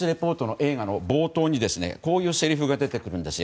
映画の冒頭に、こういうせりふが出てくるんです。